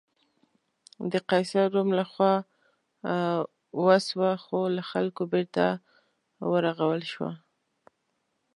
د قیصر روم له خوا وسوه خو له خلکو بېرته ورغول شوه.